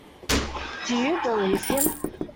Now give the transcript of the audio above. Do you believe him?